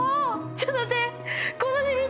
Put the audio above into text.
ちょっと待って！